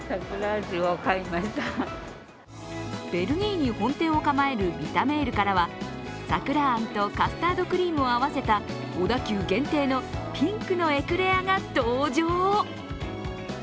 ベルギーに本店を構えるヴィタメールからは桜あんとカスタードクリームを合わせた、小田急限定のピンクのエクレアが登場。